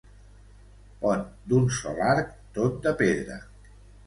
Pont d'un sol arc, tot de pedra.